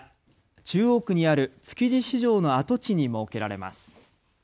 中央区にある築地市場の跡地に設けられます。